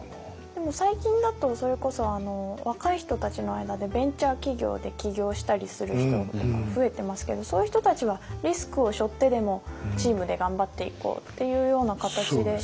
でも最近だとそれこそ若い人たちの間でベンチャー企業で起業したりする人とか増えてますけどそういう人たちはリスクをしょってでもチームで頑張っていこうっていうような形で。